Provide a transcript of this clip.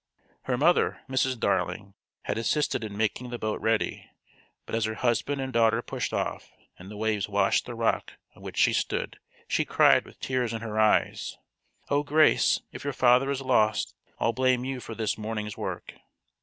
Her mother, Mrs. Darling, had assisted in making the boat ready, but as her husband and daughter pushed off, and the waves washed the rock on which she stood, she cried with tears in her eyes: "Oh, Grace, if your father is lost, I'll blame you for this morning's work."